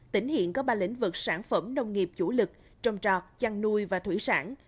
tỉnh hiện có ba lĩnh vực sản phẩm nông nghiệp chủ lực trồng trọt chăn nuôi và thủy sản